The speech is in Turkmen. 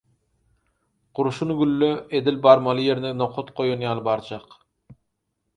Gurşun gülle edil barmaly ýerine nokat goýan ýaly barjak.